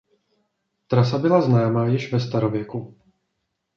Trasa byla známá již ve starověku.